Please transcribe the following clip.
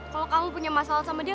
kalau kamu punya masalah sama dia